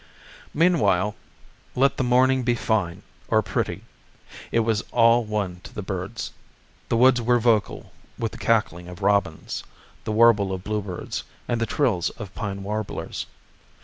Meanwhile, let the morning be "fine" or "pretty," it was all one to the birds. The woods were vocal with the cackling of robins, the warble of bluebirds, and the trills of pine warblers.